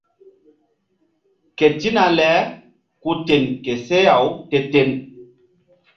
Ketina le ku ten ke seh-aw te-ten.